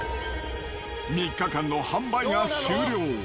３日間の販売が終了。